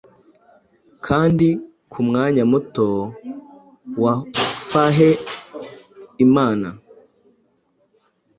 Kandi kumwanya muto wafahe Imana,